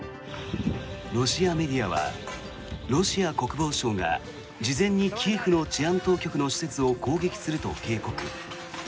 ロシアメディアはロシア国防省が事前にキエフの治安当局の施設を攻撃すると警告。